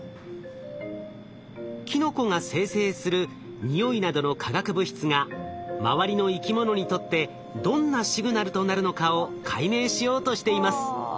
キノコが生成する匂いなどの化学物質が周りの生き物にとってどんなシグナルとなるのかを解明しようとしています。